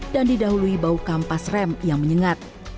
dan didahului bau kampas rem yang menyengat